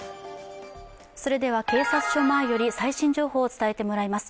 それでは、警察署前より最新情報を伝えてもらいます。